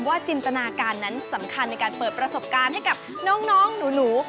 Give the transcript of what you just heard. จินตนาการนั้นสำคัญในการเปิดประสบการณ์ให้กับน้องหนู